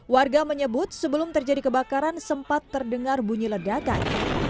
warga menyebut sebelum terjadi kebakaran sempat terdengar bunyi ledakan